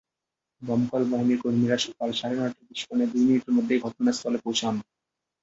দমকল বাহিনীর কর্মীরা সকাল সাড়ে নয়টায় বিস্ফোরণের দুই মিনিটের মধ্যেই ঘটনাস্থলে পৌঁছান।